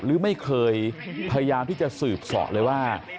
หรือไม่เคยพยายามที่จะสืบสอเลยว่า